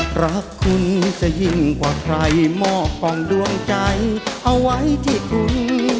หลักคุณจะยิ่งกว่าใครมอบความด้วยใจเอาไว้ที่ทุน